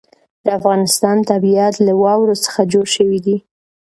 د افغانستان طبیعت له واورو څخه جوړ شوی دی.